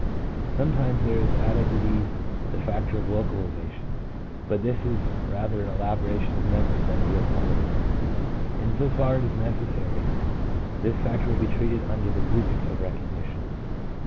Some times there is added to these the factor of localization, but this is rather an elaboration of memory than a real part of it ; in so far as it is necessary, this factor will be treated under the rubric of recognition.